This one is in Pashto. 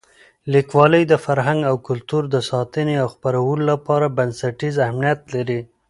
لیکوالی د فرهنګ او کلتور د ساتنې او خپرولو لپاره بنسټیز اهمیت لري.